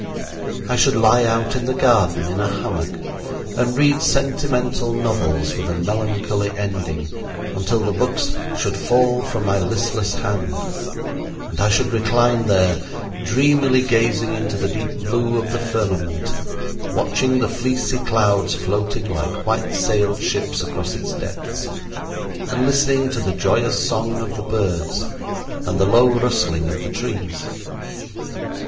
I should lie out in the garden in a hammock and read sentimental novels with a melancholy ending, until the books should fall from my listless hand, and I should recline there, dreamily gazing into the deep blue of the firmament, watching the fleecy clouds floating like white sailed ships across its depths, and listening to the joyous song of the birds and the low rustling of the trees.